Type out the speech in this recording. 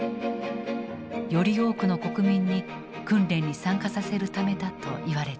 より多くの国民に訓練に参加させるためだといわれている。